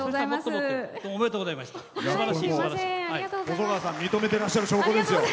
細川さんが認めていらっしゃる証拠ですよ。